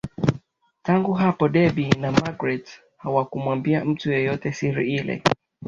Tangu hapo Debby na magreth hawakumwambia mtu yeyote siri ile